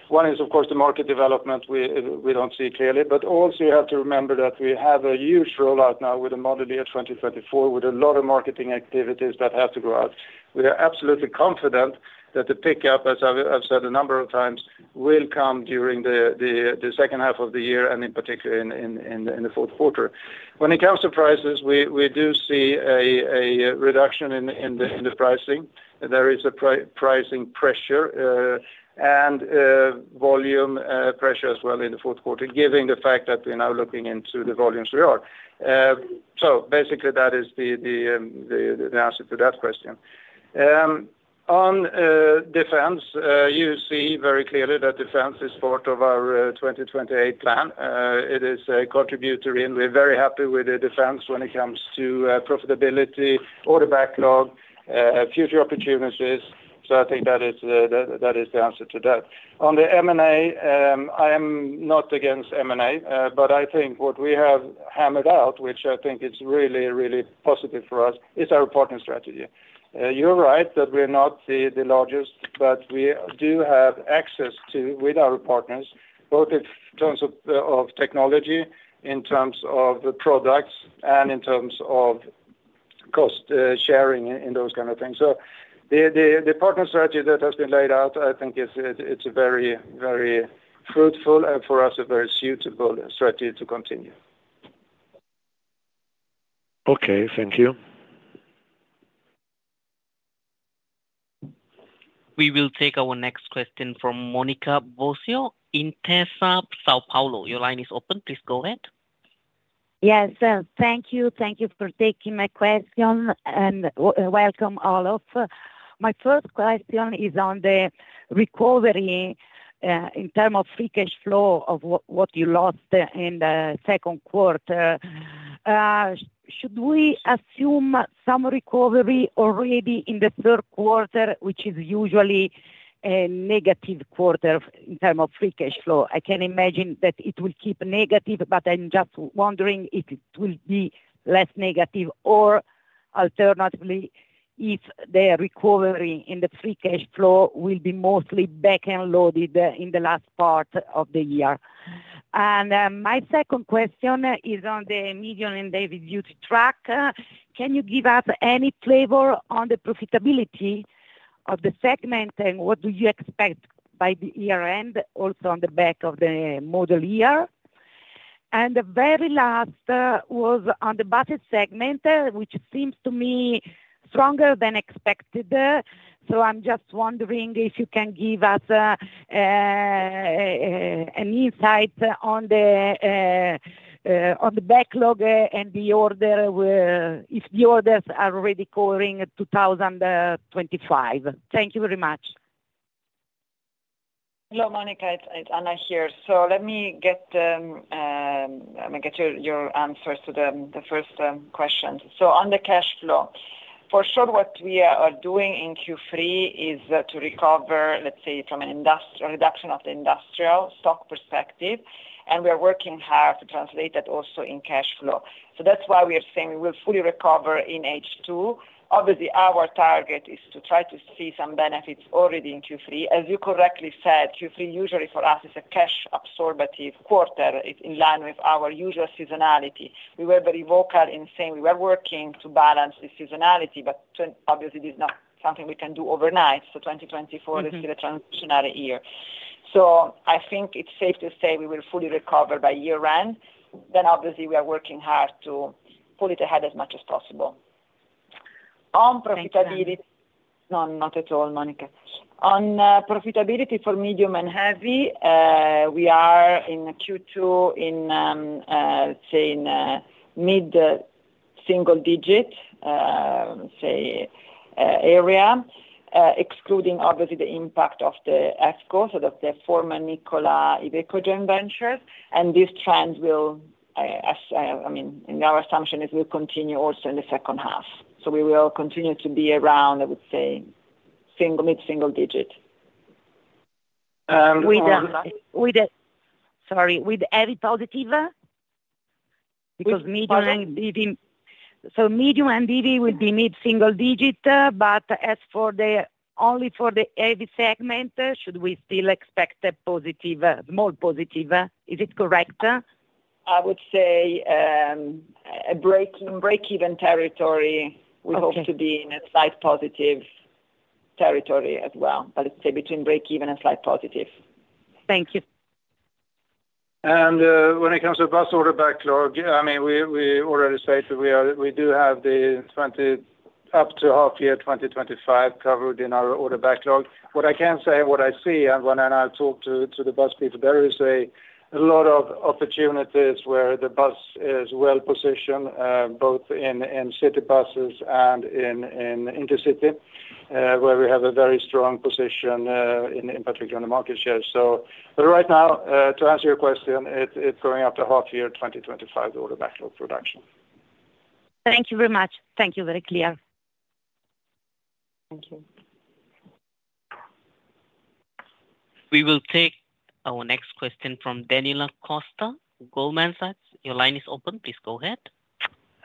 One is, of course, the market development, we don't see clearly, but also you have to remember that we have a huge rollout now with the Model Year 2024, with a lot of marketing activities that have to go out. We are absolutely confident that the pickup, as I've said a number of times, will come during the second half of the year and in particular in the fourth quarter. When it comes to prices, we do see a reduction in the pricing. There is a pricing pressure, and volume pressure as well in the fourth quarter, given the fact that we're now looking into the volumes we are. So basically, that is the answer to that question. On Defense, you see very clearly that Defense is part of our 2028 plan. It is a contributor, and we're very happy with the Defense when it comes to profitability, order backlog, future opportunities. So I think that is the answer to that. On the M&A, I am not against M&A, but I think what we have hammered out, which I think is really, really positive for us, is our partner strategy. You're right that we're not the largest, but we do have access to, with our partners, both in terms of technology, in terms of the products, and in terms of cost sharing and those kind of things. So the partner strategy that has been laid out, I think, it's a very, very fruitful, and for us, a very suitable strategy to continue. Okay, thank you. We will take our next question from Monica Bosio, Intesa Sanpaolo. Your line is open. Please go ahead. Yes, thank you. Thank you for taking my question, and welcome, Olof. My first question is on the recovery in terms of free cash flow of what you lost in the second quarter. Should we assume some recovery already in the third quarter, which is usually a negative quarter in terms of free cash flow? I can imagine that it will keep negative, but I'm just wondering if it will be less negative, or alternatively, if the recovery in the free cash flow will be mostly back end loaded in the last part of the year. My second question is on the medium and heavy duty truck. Can you give us any flavor on the profitability of the segment, and what do you expect by the year end, also on the back of the Model Year? The very last was on the Bus segment, which seems to me stronger than expected. So I'm just wondering if you can give us an insight on the backlog and the order, if the orders are already covering 2025. Thank you very much. Hello, Monica, it's Anna here. So let me get your answers to the first questions. So on the cash flow, for sure, what we are doing in Q3 is to recover, let's say, from an industrial reduction of the industrial stock perspective, and we are working hard to translate that also in cash flow. So that's why we are saying we will fully recover in H2. Obviously, our target is to try to see some benefits already in Q3. As you correctly said, Q3 usually for us is a cash absorptive quarter. It's in line with our usual seasonality. We were very vocal in saying we are working to balance the seasonality, but obviously, this is not something we can do overnight. So 2024 is still a transitional year. So I think it's safe to say we will fully recover by year-end, then obviously we are working hard to pull it ahead as much as possible. On profitability- Thank you. No, not at all, Monica. On profitability for medium and heavy, we are in Q2 in, say, mid-single digit, say, area, excluding obviously the impact of the EVCO, so that the former Nikola Iveco joint venture, and this trend will, as I mean, in our assumption, it will continue also in the second half. So we will continue to be around, I would say, single, mid-single digit. With the- Sorry, with every positive? Because medium- With positive. So medium and heavy would be mid-single digit, but as for the only for the heavy segment, should we still expect a positive, more positive, is it correct? I would say, a break-even territory. Okay. We hope to be in a slight positive territory as well, but I'd say between break even and slight positive. Thank you. ...And, when it comes to bus order backlog, I mean, we already stated we do have the 20, up to half year 2025 covered in our order backlog. What I can say and what I see, and when I talk to the bus people, there is a lot of opportunities where the bus is well positioned, both in city buses and in intercity, where we have a very strong position, in particular, on the market share. So but right now, to answer your question, it, it's going up to half year 2025, the order backlog production. Thank you very much. Thank you. Very clear. Thank you. We will take our next question from Daniela Costa, Goldman Sachs. Your line is open. Please go ahead.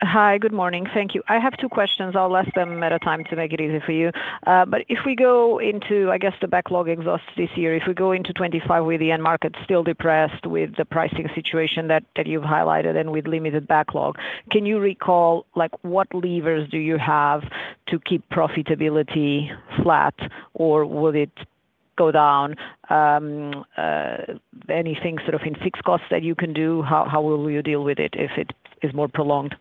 Hi, good morning. Thank you. I have two questions. I'll ask them at a time to make it easy for you. But if we go into, I guess, the backlog exhaust this year, if we go into 2025, with the end market still depressed with the pricing situation that you've highlighted and with limited backlog, can you recall, like, what levers do you have to keep profitability flat, or will it go down? Anything sort of in fixed costs that you can do? How will you deal with it if it is more prolonged?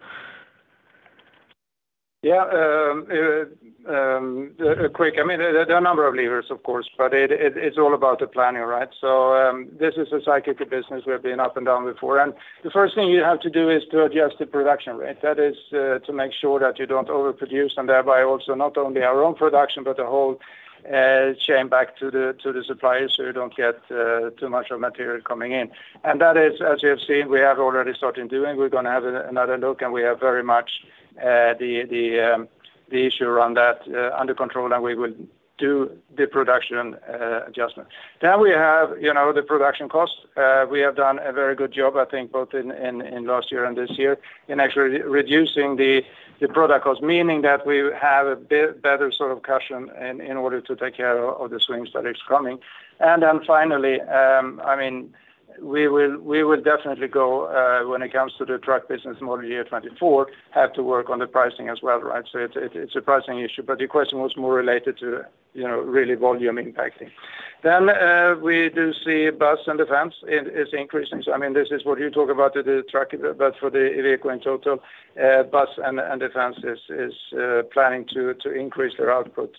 Yeah. Quick, I mean, there are a number of levers, of course, but it's all about the planning, right? So, this is a cyclical business. We've been up and down before, and the first thing you have to do is to adjust the production rate. That is, to make sure that you don't overproduce, and thereby also not only our own production, but the whole chain back to the suppliers, so you don't get too much of material coming in. And that is, as you have seen, we have already started doing. We're gonna have another look, and we are very much the issue around that under control, and we will do the production adjustment. Then we have, you know, the production costs. We have done a very good job, I think, both in last year and this year, in actually reducing the product costs, meaning that we have a better sort of cushion in order to take care of the swings that is coming. And then finally, I mean, we will definitely go, when it comes to the truck business Model Year 2024, have to work on the pricing as well, right? So it's a pricing issue, but your question was more related to, you know, really volume impacting. Then, we do see Bus and Defense is increasing. So I mean, this is what you talk about, the Truck, but for the vehicle in total, Bus and Defense is planning to increase their output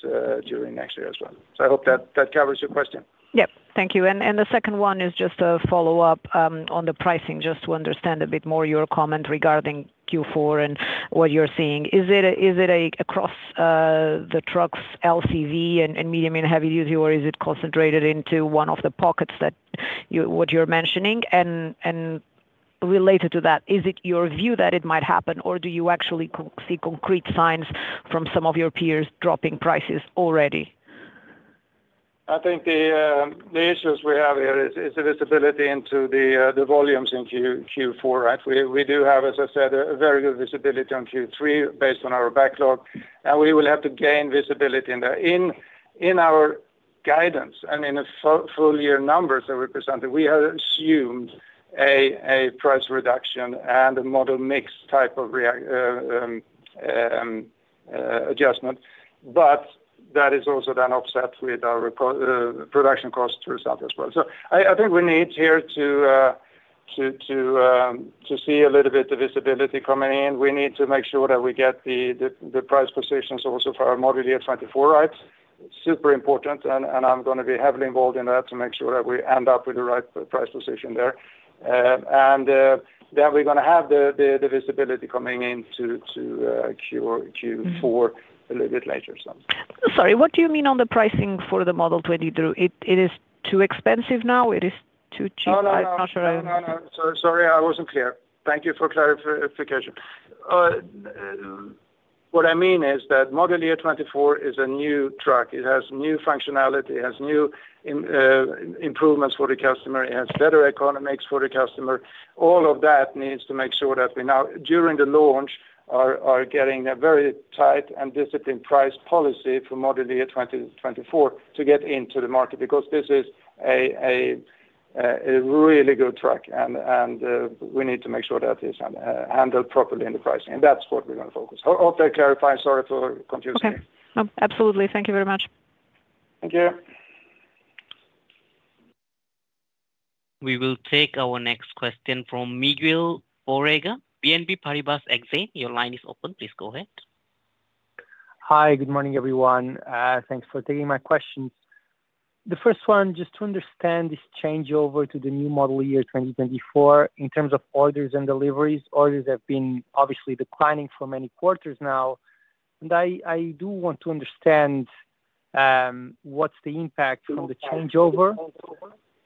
during next year as well. I hope that covers your question. Yep. Thank you. And the second one is just a follow-up on the pricing, just to understand a bit more your comment regarding Q4 and what you're seeing. Is it across the trucks, LCV and medium and heavy duty, or is it concentrated into one of the pockets that you're mentioning? And related to that, is it your view that it might happen, or do you actually see concrete signs from some of your peers dropping prices already? I think the issues we have here is the visibility into the volumes in Q4, right? We do have, as I said, a very good visibility on Q3 based on our backlog, and we will have to gain visibility in there. In our guidance and in the full year numbers I represented, we have assumed a price reduction and a model mix type of adjustment, but that is also then offset with our production cost efficiency as well. So I think we need here to see a little bit of visibility coming in. We need to make sure that we get the price positions also for our Model Year 2024, right? Super important, and I'm gonna be heavily involved in that to make sure that we end up with the right price position there. And then we're gonna have the visibility coming in to Q4 a little bit later, so. Sorry, what do you mean on the pricing for the Model 2022? It is too expensive now? It is too cheap- No, no, no. Sorry, I wasn't clear. Thank you for clarification. What I mean is that Model Year 2024 is a new truck. It has new functionality, it has new improvements for the customer, it has better economics for the customer. All of that needs to make sure that we now, during the launch, are getting a very tight and disciplined price policy for Model Year 2024 to get into the market, because this is a really good truck, and we need to make sure that it's handled properly in the pricing, and that's what we're gonna focus. I hope that clarifies. Sorry for confusing. Okay. Absolutely. Thank you very much. Thank you. We will take our next question from Miguel Borrega, BNP Paribas Exane. Your line is open. Please go ahead. Hi, good morning, everyone. Thanks for taking my questions. The first one, just to understand this changeover to the new Model Year 2024, in terms of orders and deliveries, orders have been obviously declining for many quarters now, and I, I do want to understand, what's the impact from the changeover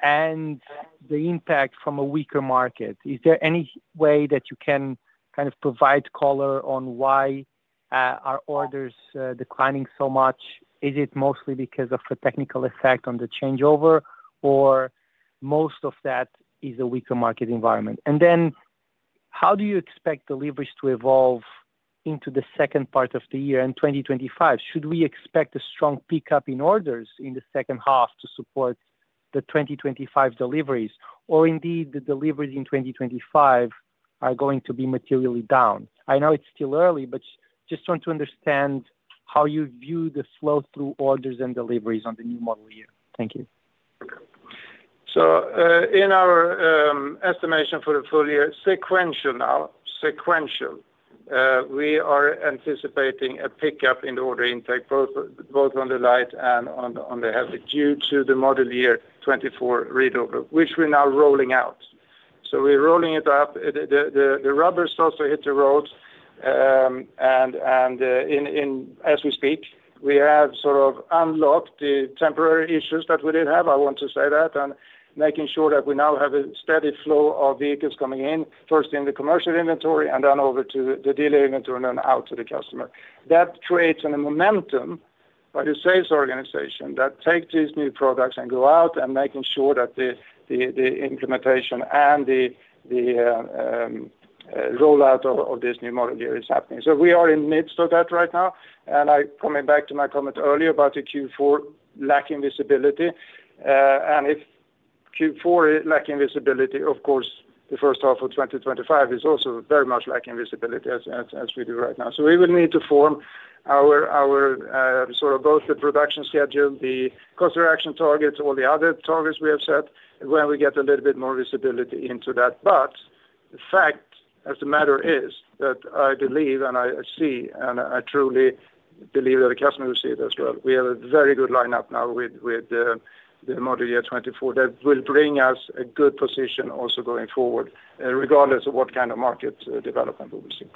and the impact from a weaker market. Is there any way that you can kind of provide color on why are orders declining so much? Is it mostly because of a technical effect on the changeover, or most of that is a weaker market environment? And then how do you expect deliveries to evolve into the second part of the year in 2025? Should we expect a strong pickup in orders in the second half to support the 2025 deliveries, or indeed, the deliveries in 2025 are going to be materially down? I know it's still early, but just want to understand how you view the flow through orders and deliveries on the new Model Year? Thank you. So, in our estimation for the full year, sequential now, sequential, we are anticipating a pickup in the order intake, both, both on the light and on the heavy, due to the Model Year 2024 rollover, which we're now rolling out. So we're rolling it out. The rubber starts to hit the road, and, in, as we speak, we have sort of unlocked the temporary issues that we did have, I want to say that, and making sure that we now have a steady flow of vehicles coming in, first in the commercial inventory and then over to the dealer inventory and then out to the customer. That creates a momentum by the sales organization, that takes these new products and go out and making sure that the implementation and the rollout of this new Model Year is happening. So we are in the midst of that right now, and, coming back to my comment earlier about the Q4 lacking visibility, and if Q4 is lacking visibility, of course, the first half of 2025 is also very much lacking visibility as we do right now. So we will need to form our sort of both the production schedule, the cost reduction targets, all the other targets we have set, when we get a little bit more visibility into that. But the fact of the matter is that I believe, and I see, and I truly believe that the customer will see it as well. We have a very good lineup now with the Model Year 2024 that will bring us a good position also going forward, regardless of what kind of market development we will see.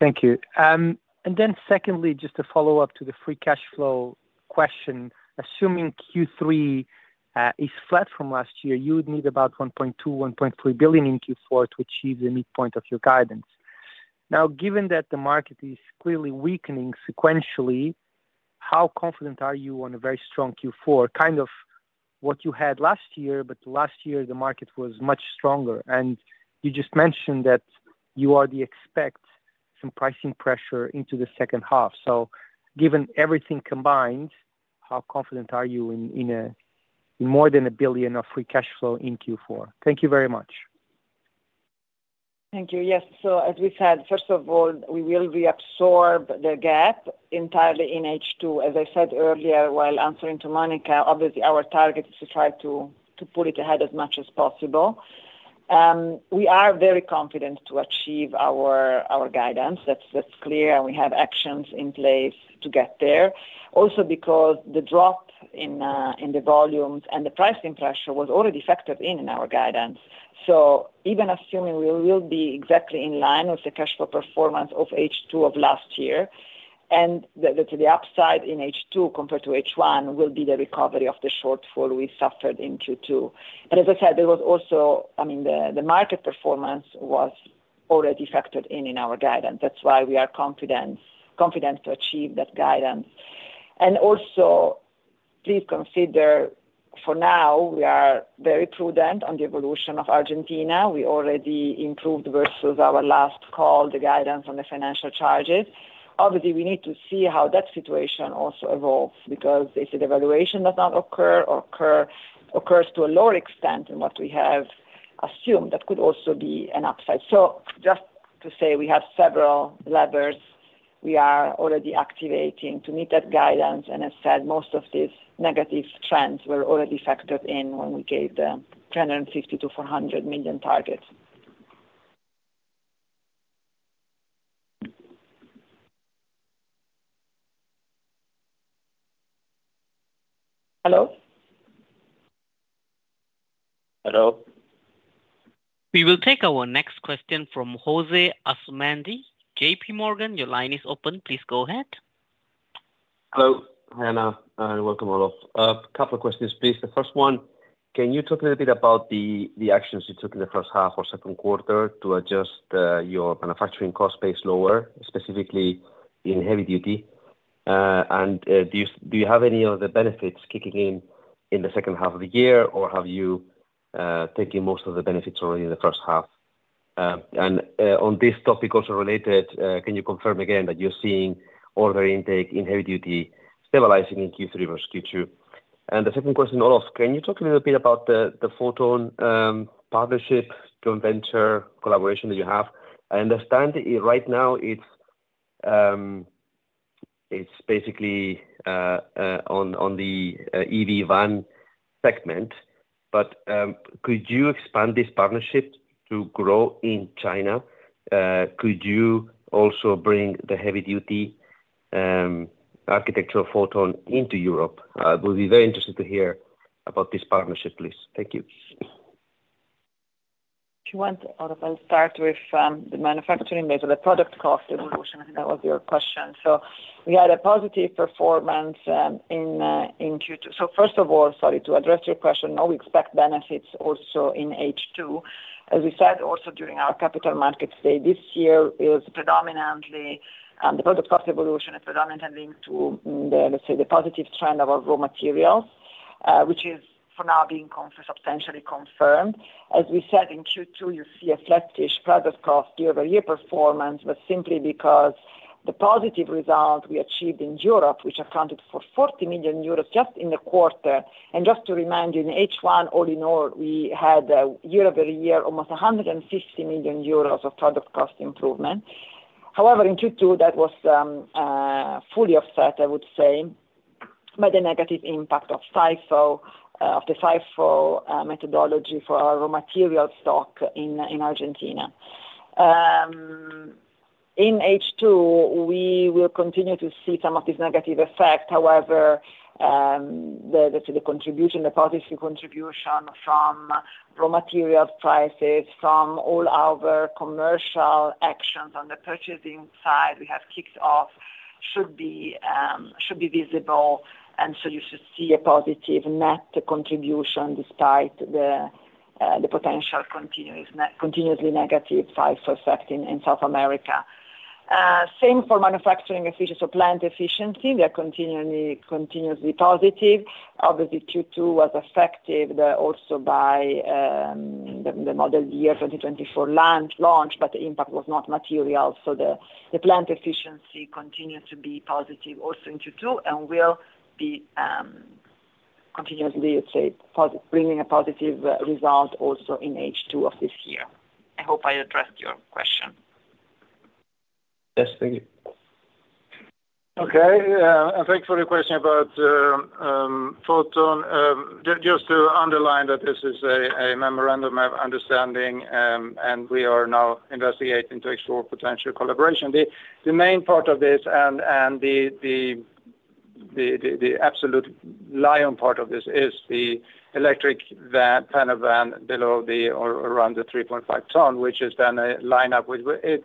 Thank you. Then secondly, just to follow up to the free cash flow question. Assuming Q3 is flat from last year, you would need about 1.2 billion-1.3 billion in Q4 to achieve the midpoint of your guidance. Now, given that the market is clearly weakening sequentially, how confident are you on a very strong Q4, kind of what you had last year, but last year the market was much stronger, and you just mentioned that you already expect some pricing pressure into the second half. Given everything combined, how confident are you in more than 1 billion of free cash flow in Q4? Thank you very much. Thank you. Yes. So as we said, first of all, we will reabsorb the gap entirely in H2. As I said earlier, while answering to Monica, obviously, our target is to try to pull it ahead as much as possible. We are very confident to achieve our guidance. That's clear, and we have actions in place to get there. Also, because the drop in the volumes and the pricing pressure was already factored in in our guidance. So even assuming we will be exactly in line with the cash flow performance of H2 of last year, and the upside in H2 compared to H1, will be the recovery of the shortfall we suffered in Q2. And as I said, there was also... I mean, the market performance was already factored in in our guidance. That's why we are confidence, confident to achieve that guidance. And also, please consider, for now, we are very prudent on the evolution of Argentina. We already improved versus our last call, the guidance on the financial charges. Obviously, we need to see how that situation also evolves, because if the devaluation does not occur or occur, occurs to a lower extent than what we have assumed, that could also be an upside. So just to say we have several levers we are already activating to meet that guidance, and as said, most of these negative trends were already factored in when we gave the 350 million-400 million target. Hello? Hello. We will take our next question from José Asumendi, JPMorgan, your line is open. Please go ahead. Hello, Anna. Welcome, all. A couple of questions, please. The first one, can you talk a little bit about the actions you took in the first half or second quarter to adjust your manufacturing cost base lower, specifically in heavy duty? And do you have any of the benefits kicking in in the second half of the year, or have you taken most of the benefits already in the first half? And on this topic, also related, can you confirm again that you're seeing order intake in heavy duty stabilizing in Q3 versus Q2? And the second question, Olof, can you talk a little bit about the Foton partnership, joint venture, collaboration that you have? I understand right now it's basically on the EV van segment, but could you expand this partnership to grow in China? Could you also bring the heavy-duty architecture Foton into Europe? I would be very interested to hear about this partnership, please. Thank you. If you want, Olof, I'll start with the manufacturing base of the product cost evolution. I think that was your question. So we had a positive performance in Q2. So first of all, sorry, to address your question, now we expect benefits also in H2. As we said, also during our Capital Markets Day, this year is predominantly the product cost evolution is predominantly linked to, let's say, the positive trend of our raw materials, which is for now being substantially confirmed. As we said in Q2, you see a flattish product cost year-over-year performance, but simply because the positive result we achieved in Europe, which accounted for 40 million euros just in the quarter. And just to remind you, in H1, all in all, we had a year-over-year almost 150 million euros of product cost improvement. However, in Q2, that was fully offset, I would say by the negative impact of FIFO, of the FIFO methodology for our raw material stock in Argentina. In H2, we will continue to see some of these negative effects. However, the policy contribution from raw material prices, from all our commercial actions on the purchasing side, we have kicked off, should be visible, and so you should see a positive net contribution despite the potential continuously negative FIFO effect in South America. Same for manufacturing efficiency. So plant efficiency, we are continuously positive. Obviously, Q2 was affected also by the Model Year 2024 launch, but the impact was not material. So the plant efficiency continues to be positive also in Q2 and will be continuously, let's say, bringing a positive result also in H2 of this year. I hope I addressed your question. Yes, thank you. Okay, and thanks for the question about Foton. Just to underline that this is a memorandum of understanding, and we are now investigating to explore potential collaboration. The main part of this and the absolute lion's share of this is the electric van, panel van below or around the 3.5 ton, which is then a lineup with it.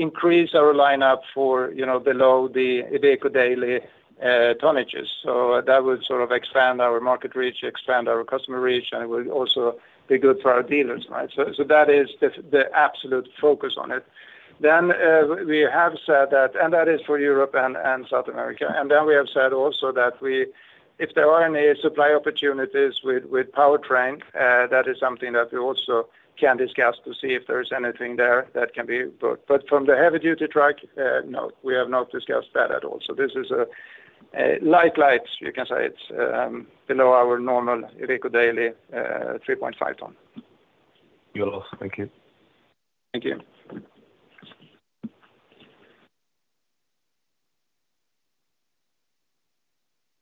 It increases our lineup for, you know, below the Iveco Daily tonnages. So that would sort of expand our market reach, expand our customer reach, and it will also be good for our dealers, right? So that is the absolute focus on it. Then we have said that. And that is for Europe and South America. And then we have said also that we if there are any supply opportunities with, with Powertrain, that is something that we also can discuss to see if there is anything there that can be bought. But from the heavy-duty truck, no, we have not discussed that at all. So this is a light line, you can say. It's below our normal Iveco Daily, 3.5 ton. You're welcome. Thank you. Thank you.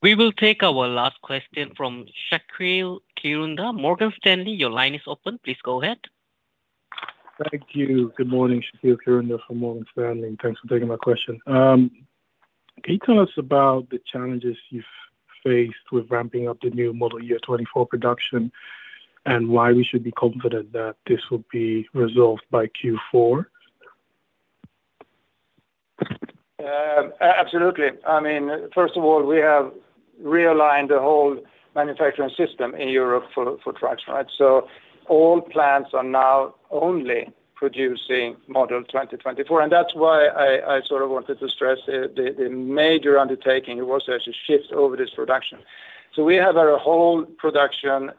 We will take our last question from Shaqeal Kirunda, Morgan Stanley, your line is open. Please go ahead. Thank you. Good morning, Shaqeal Kirunda from Morgan Stanley. Thanks for taking my question. Can you tell us about the challenges you've faced with ramping up the new Model Year 2024 production, and why we should be confident that this will be resolved by Q4? Absolutely. I mean, first of all, we have realigned the whole manufacturing system in Europe for trucks, right? So all plants are now only producing Model 2024, and that's why I sort of wanted to stress the major undertaking it was to actually shift over this production. So we have our whole production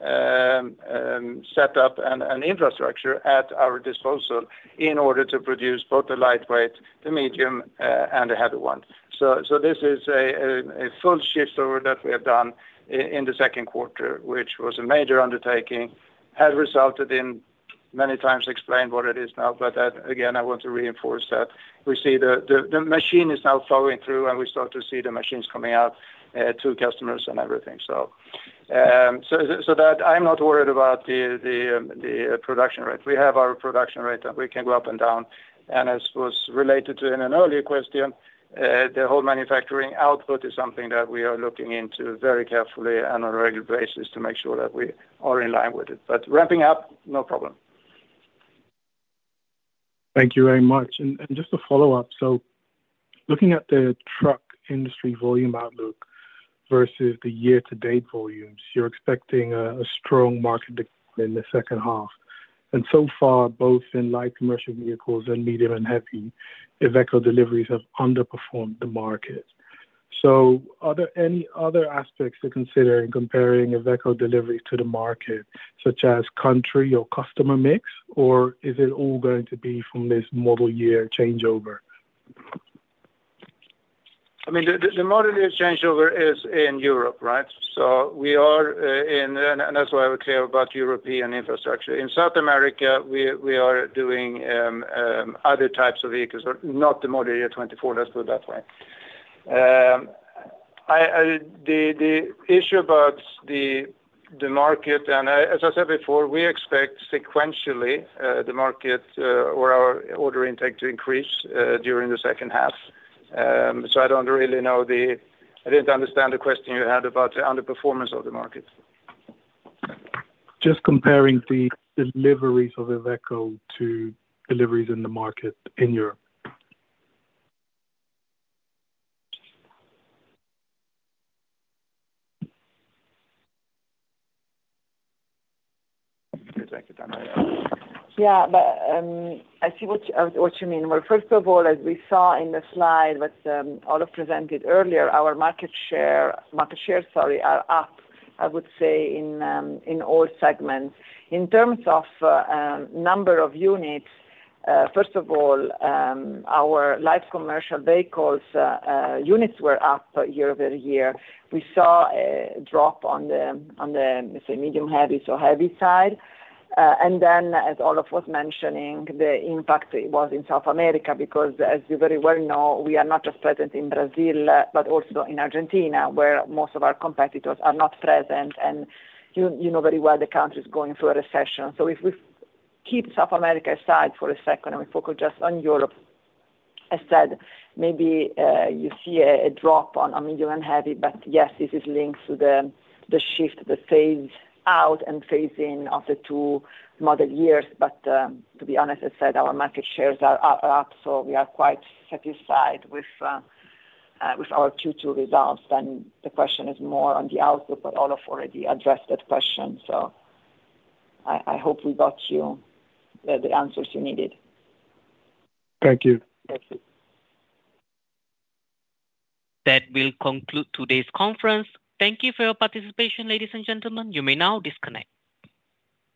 set up and infrastructure at our disposal in order to produce both the lightweight, the medium, and the heavy one. So this is a full shift over that we have done in the second quarter, which was a major undertaking, has resulted in many times explained what it is now. But again, I want to reinforce that we see the machine is now flowing through, and we start to see the machines coming out to customers and everything. So that I'm not worried about the production rate. We have our production rate, and we can go up and down. And as was related to in an earlier question, the whole manufacturing output is something that we are looking into very carefully and on a regular basis to make sure that we are in line with it. But ramping up, no problem. Thank you very much. And just a follow-up: so looking at the truck industry volume outlook versus the year-to-date volumes, you're expecting a strong market in the second half. And so far, both in light commercial vehicles and medium and heavy, Iveco deliveries have underperformed the market. So are there any other aspects to consider in comparing Iveco deliveries to the market, such as country or customer mix, or is it all going to be from this Model Year changeover? I mean, the Model Year changeover is in Europe, right? So we are in... And that's why we're clear about European infrastructure. In South America, we are doing other types of vehicles, but not the Model Year 2024, let's put it that way. The issue about the market, and as I said before, we expect sequentially the market or our order intake to increase during the second half. So I don't really know the—I didn't understand the question you had about the underperformance of the market. Just comparing the deliveries of Iveco to deliveries in the market in Europe. Yeah, but I see what you mean. Well, first of all, as we saw in the slide, what Olof presented earlier, our market share, market share, sorry, are up, I would say, in all segments. In terms of number of units, first of all, our light commercial vehicles units were up year-over-year. We saw a drop on the, say, medium heavy, so heavy side. And then, as Olof was mentioning, the impact was in South America, because as you very well know, we are not just present in Brazil, but also in Argentina, where most of our competitors are not present. And you know very well the country is going through a recession. So if we keep South America aside for a second and we focus just on Europe, I said, maybe you see a drop on a medium and heavy, but yes, this is linked to the shift, the phase out and phase in of the two Model Years. But to be honest, as I said, our market shares are up, so we are quite satisfied with our Q2 results. Then the question is more on the output, but Olof already addressed that question. So I hope we got you the answers you needed. Thank you. Thank you. That will conclude today's conference. Thank you for your participation, ladies and gentlemen. You may now disconnect.